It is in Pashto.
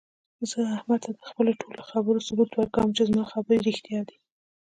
زه احمد ته د خپلو ټولو خبرو ثبوت ورکوم، چې زما خبرې رښتیا دي.